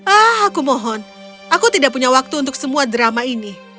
aku mohon aku tidak punya waktu untuk semua drama ini